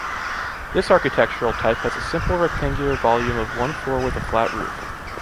This architectural type has a simple rectangular volume of one floor with a flat roof.